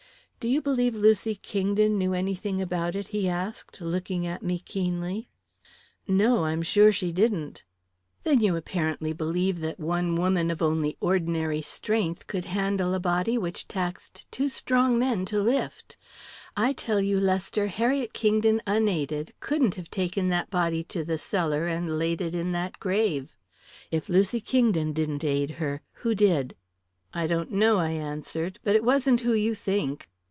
"Do you believe Lucy Kingdon knew anything about it?" he asked, looking at me keenly. "No I'm sure she didn't." "Then you apparently believe that one woman of only ordinary strength could handle a body which taxed two strong men to lift! I tell you, Lester, Harriet Kingdon unaided couldn't have taken that body to the cellar and laid it in that grave. If Lucy Kingdon didn't aid her, who did?" "I don't know," I answered. "But it wasn't who you think."